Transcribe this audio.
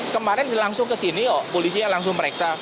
kemarin langsung kesini oh polisinya langsung mereksa